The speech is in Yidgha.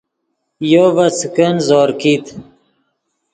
یو ڤے څیکن زور کیت